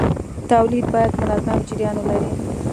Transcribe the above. تولید باید منظم جریان ولري.